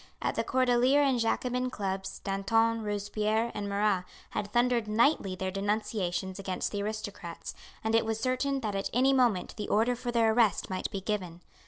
At the Cordeliers and Jacobin Clubs, Danton, Robespierre, and Marat had thundered nightly their denunciations against the aristocrats, and it was certain that at any moment the order for their arrest might be given.